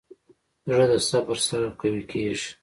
زړه د صبر سره قوي کېږي.